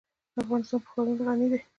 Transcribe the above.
افغانستان په ښارونه غني دی.